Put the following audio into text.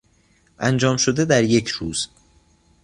انجام شده در یک روز